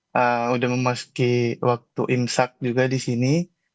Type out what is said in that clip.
sudah memasuki waktu imsak juga di sini